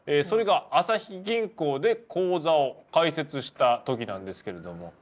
それがあさひ銀行で口座を開設した時なんですけれども。